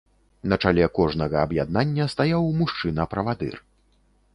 На чале кожнага аб'яднання стаяў мужчына-правадыр.